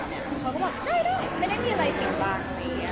แล้วก็แบบได้ไม่ได้มีอะไรเขตล้าง